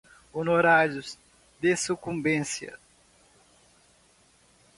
honorários de sucumbência